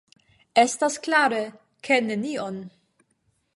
Estas klare, ke nenion!